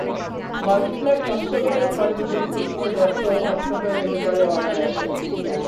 Multi plug নষ্ট হলে ঘরের গুরুত্বপূর্ণ যন্ত্রও নষ্ট হয়ে যেতে পারে অনায়াসে।